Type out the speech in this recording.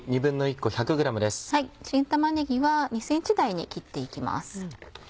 新玉ねぎは２ｃｍ台に切っていきます。